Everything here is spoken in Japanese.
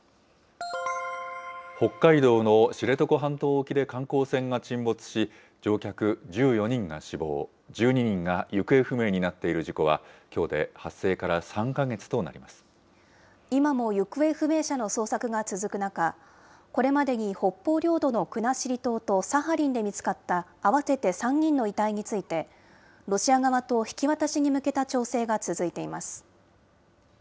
北海道の知床半島沖で観光船が沈没し、乗客１４人が死亡、１２人が行方不明になっている事故は、きょうで発生から３か月とな今も行方不明者の捜索が続く中、これまでに北方領土の国後島とサハリンで見つかった合わせて３人の遺体について、ロシア側と引き渡しに向けた調整が続いています。